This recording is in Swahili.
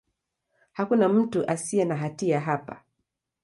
Hakuna mtu asiye na hatia hapa.